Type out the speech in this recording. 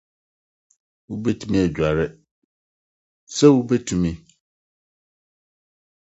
Wubetumi aguare, se wubetumi?